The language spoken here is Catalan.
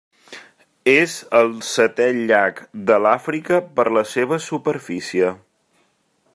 És el setè llac de l'Àfrica per la seva superfície.